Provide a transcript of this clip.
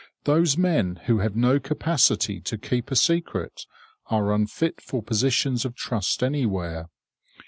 Those men who have no capacity to keep a secret are unfit for positions of trust anywhere.